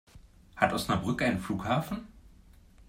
Hat Osnabrück einen Flughafen?